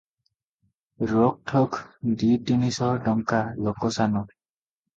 ରୋକ୍ ଠୋକ୍ ଦି ତିନି ଶହ ଟଙ୍କା ଲୋକସାନ!